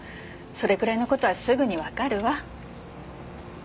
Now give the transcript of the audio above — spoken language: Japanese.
それくらいの事はすぐにわかるわ。